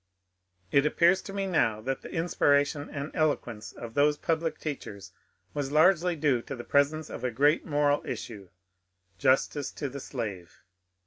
It appears to me now that the inspiration and eloquence of those public 278 MONCURE DANIEL (X)NWAY teachers was largely due to the presence of a great moral issue, — justice to the slave.